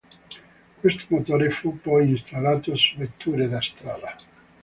Questo motore fu poi installato su vetture da strada.